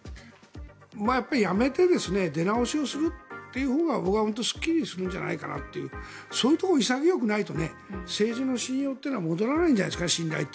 やっぱり辞めて出直しするというほうが僕は本当にすっきりするんじゃないかというそういうところ、潔くないと政治の信用というのは戻らないんじゃないですか。